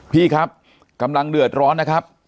พี่ครับกำลังเดือดร้อนนะครับ